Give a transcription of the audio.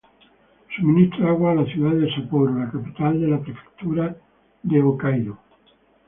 Suministra agua a la ciudad de Sapporo, la capital de la prefectura de Hokkaido.